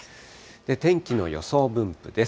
天気の予想分布です。